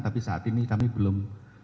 tapi saat ini kami belum